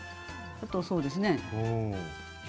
あとそうですね。